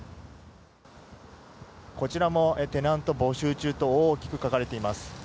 こちらもテナント募集中と大きく書かれています。